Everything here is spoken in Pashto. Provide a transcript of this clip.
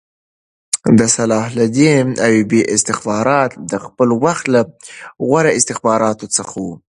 د صلاح الدین ایوبي استخبارات د خپل وخت له غوره استخباراتو څخه وو